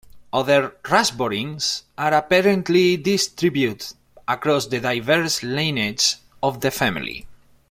Other "rasborines" are apparently distributed across the diverse lineages of the family.